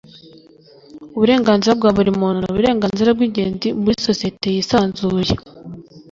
uburenganzira bwa buri muntu nuburenganzira bwingenzi muri societe yisanzuye